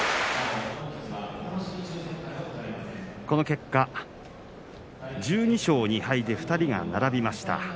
この結果１２勝２敗で２人が並びました。